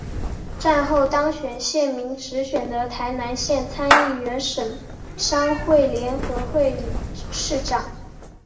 战后当选县民直选的台南县参议员省商会联合会理事长。